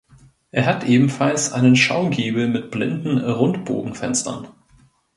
Er hat ebenfalls einen Schaugiebel mit blinden Rundbogenfenstern.